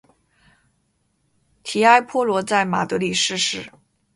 提埃坡罗在马德里逝世。